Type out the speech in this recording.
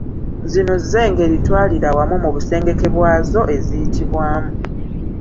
Zino z’engeri ttwalirawamu mu busengeke bwazo eziyitibwamu.